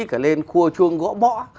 cả lên khua chuông gõ bõ